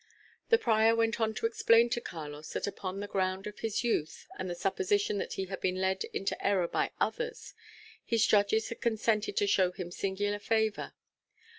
The prior went on to explain to Carlos, that upon the ground of his youth, and the supposition that he had been led into error by others, his judges had consented to show him singular favour.